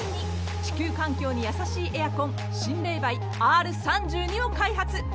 地球環境に優しいエアコン新冷媒Ｒー３２を開発。